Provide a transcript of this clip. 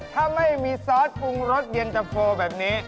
ถ้าไม่มีซอสปรุงรสเย็นตะโฟแบบนี้